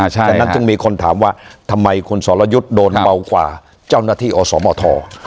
ฉะนั้นจึงมีคนถามว่าทำไมคุณสรยุทธ์โดนเบากว่าเจ้าหน้าที่อสมท